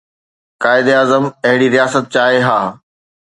قائداعظم اهڙي رياست چاهي ها.